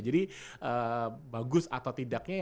jadi bagus atau tidaknya